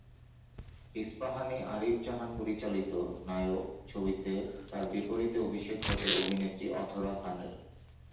ইস্পাহানী-আরিফ জাহান পরিচালিত "নায়ক" ছবিতে তার বিপরীতে অভিষেক ঘটে অভিনেত্রী অধরা খানের।